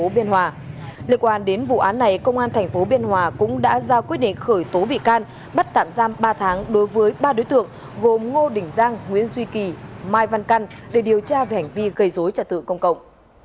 để điều tra về hành vi gây dối trả tự công cộng